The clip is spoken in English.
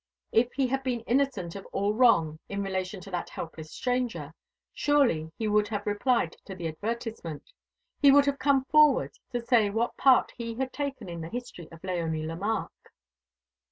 If he had been innocent of all wrong in relation to that helpless stranger, surely he would have replied to the advertisement; he would have come forward to say what part he had taken in the history of Léonie Lemarque.